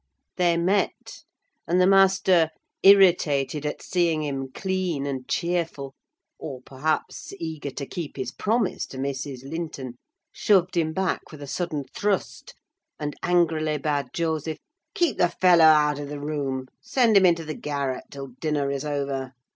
They met, and the master, irritated at seeing him clean and cheerful, or, perhaps, eager to keep his promise to Mrs. Linton, shoved him back with a sudden thrust, and angrily bade Joseph "keep the fellow out of the room—send him into the garret till dinner is over.